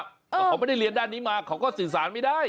เพราะเขาไม่ได้เรียนด้านนี้มาเขาก็สื่อสารไม่ได้